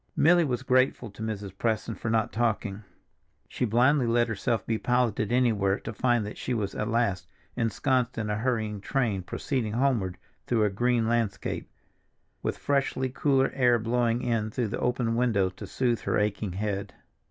Milly was grateful to Mrs. Preston for not talking. She blindly let herself be piloted anywhere to find that she was at last ensconced in a hurrying train proceeding homeward through a green landscape, with freshly cooler air blowing in through the open window to soothe her aching head.